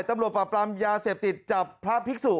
ตำรวจปราบปรามยาเสพติดจับพระภิกษุ